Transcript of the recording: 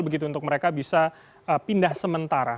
begitu untuk mereka bisa pindah sementara